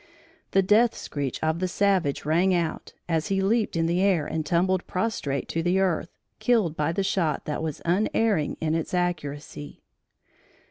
The death screech of the savage rang out, as he leaped in the air and tumbled prostrate to the earth, killed by the shot that was unerring in its accuracy.